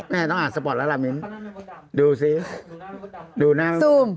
แม่ต้องอ่านสปอร์ตแล้วล่ะมิ้นดูสิดูหน้าซูม